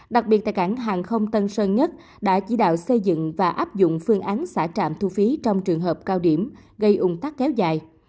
đặc biệt tại cảng hàng không tân sơn nhất đã chỉ đạo xây dựng và áp dụng phương án xả trạm thu phí trong trường hợp cao điểm gây ung tắc kéo dài